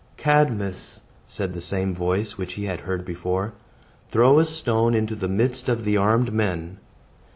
"Cadmus," said the same voice which he had before heard, "throw a stone into the midst of the armed men."